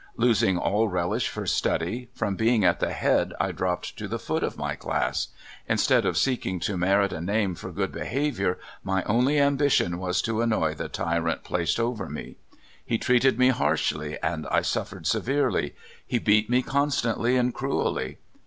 Losing all relish fur study, from 'being at the liead I dropped to the foot of my class. Instead of seeking to merit a name for good behav ior, my only ambition was to annoy the tyrant placed over me. He treated me harshly, and I suffered severely. He beat me constantly and cruelly.